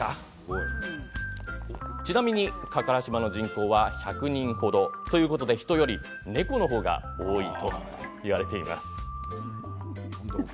ちなみに、加唐島の人口は１００人程。ということで人より猫の方が多いといわれています。